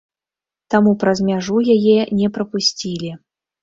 Таму праз мяжу яе не прапусцілі.